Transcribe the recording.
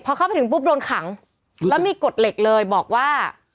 พอเข้าไปถึงปุ๊บโดนขังแล้วมีกฎเหล็กเลยบอกว่า